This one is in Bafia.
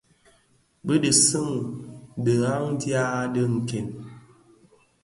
Bi dhi suň dhighan dya dhi nken.